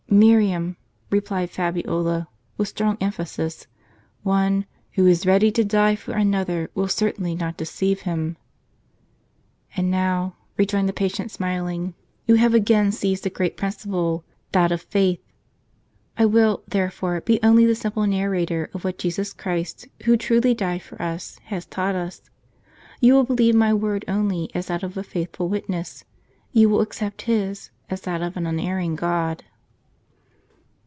" "Miriam," replied Fabiola, with strong emphasis, "one WHO IS READY TO DIE FOR ANOTHER, WILL CERTAINLY NOT DECEIVE HIM.'' "And now," rejoined the patient, smiling, "you have again seized a great principle — that of faith. I will, there fore, be only the simple narrator of what Jesus Christ, who truly died for us, has taught us. You will believe my word only as that of a faithful witness; you will accept His, as that of an unerring God."